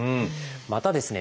またですね